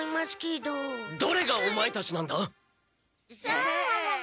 どれがオマエたちなんだ？さあ？